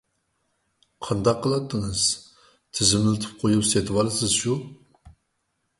قانداق قىلاتتىڭىز؟ تىزىملىتىپ قويۇپ سېتىۋالىسىز شۇ.